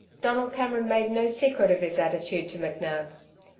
Donald Cameron made no secret of his attitude to McNab.